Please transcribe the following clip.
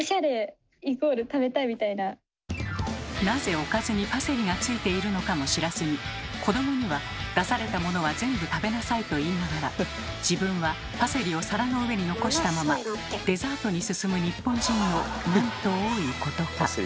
なぜおかずにパセリがついているのかも知らずに子どもには「出されたものは全部食べなさい」と言いながら自分はパセリを皿の上に残したままデザートに進む日本人のなんと多いことか。